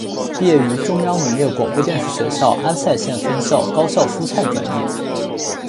毕业于中央农业广播电视学校安塞县分校高效蔬菜专业。